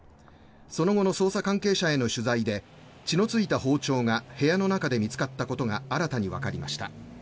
その後の捜査関係者への取材で血のついた包丁が部屋の中で見つかったことが新たにわかりました。